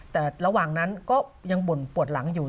แต่ระหว่างนั้นก็ยังบ่นปวดหลังอยู่